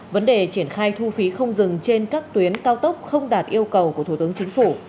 vấn đề triển khai thu phí không dừng trên các tuyến cao tốc không đạt yêu cầu của thủ tướng chính phủ